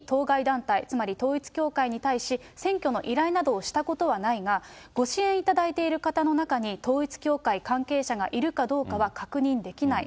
明示的に当該団体、つまり統一教会に対し、選挙の依頼などをしたことはないが、ご支援いただいている方の中に統一教会関係者がいるかどうかは確認できない。